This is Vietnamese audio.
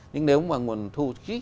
nhưng nếu mà nguồn thu